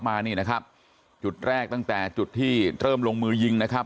มานี่นะครับจุดแรกตั้งแต่จุดที่เริ่มลงมือยิงนะครับ